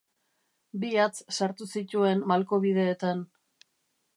Bi hatz sartu zituen malkobideetan.